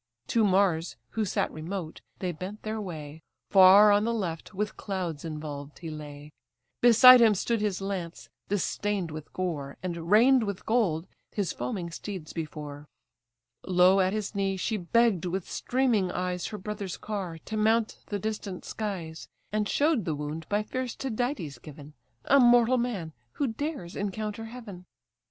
To Mars, who sat remote, they bent their way: Far, on the left, with clouds involved he lay; Beside him stood his lance, distain'd with gore, And, rein'd with gold, his foaming steeds before. Low at his knee, she begg'd with streaming eyes Her brother's car, to mount the distant skies, And show'd the wound by fierce Tydides given, A mortal man, who dares encounter heaven.